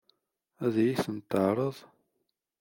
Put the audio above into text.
Ad iyi-tent-teɛṛeḍ?